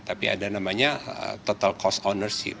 tapi ada namanya total cost ownership